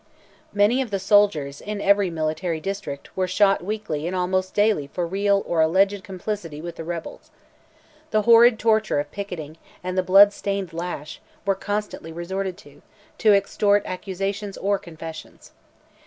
Many of the soldiers, in every military district were shot weekly and almost daily for real or alleged complicity with the rebels. The horrid torture of picketing, and the blood stained lash, were constantly resorted to, to extort accusations or confessions.